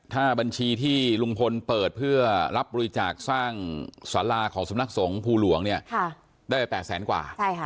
ถ้าบัญชีที่ลุงพลเปิดเพื่อรับบริจาคสร้างสาราของสำนักสงภูหลวงเนี่ยได้ไป๘แสนกว่า